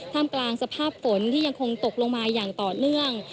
กลางสภาพฝนที่ยังคงตกลงมาอย่างต่อเนื่อง